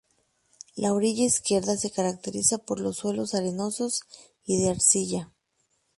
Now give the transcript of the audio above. La orilla izquierda se caracteriza por los suelos arenosos y de arcilla.